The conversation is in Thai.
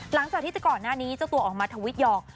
หลังจากที่ก่อนหน้านี้เจ้าตัวออกมาทวิตหยอก